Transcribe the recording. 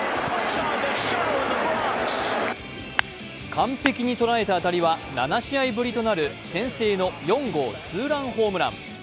完璧にとらえた当たりは７試合ぶりとなる先制の４号ツーランホームラン。